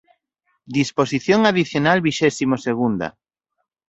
Disposición adicional vixésimo segunda.